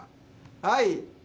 はい。